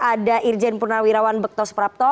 ada irjen purnawirawan bektos prapto